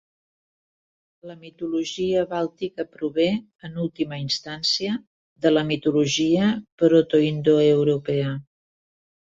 La mitologia Bàltica prové, en última instància, de la mitologia protoindoeuropea.